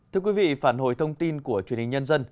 thưa quý vị phản hồi thông tin của truyền hình nhân dân